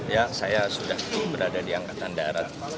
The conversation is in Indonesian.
ya saya sudah berada di angkatan darat